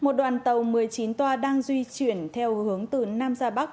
một đoàn tàu một mươi chín toa đang di chuyển theo hướng từ nam ra bắc